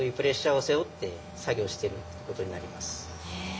へえ。